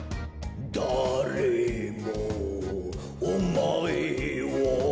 「だれもおまえを」